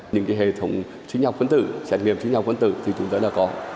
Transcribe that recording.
những hệ thống xét nghiệm sinh học phấn tử thì chúng tôi đã có